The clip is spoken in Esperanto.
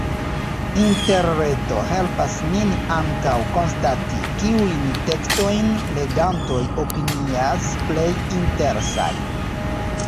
Interreto helpas nin ankaŭ konstati, kiujn tekstojn legantoj opinias plej interesaj.